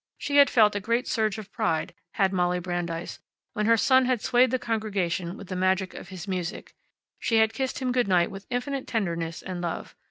She had felt a great surge of pride, had Molly Brandeis, when her son had swayed the congregation with the magic of his music. She had kissed him good night with infinite tenderness and love.